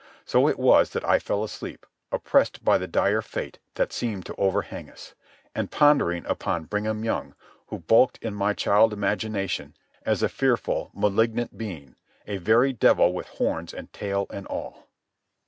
So it was that I fell asleep, oppressed by the dire fate that seemed to overhang us, and pondering upon Brigham Young who bulked in my child imagination as a fearful, malignant being, a very devil with horns and tail and all.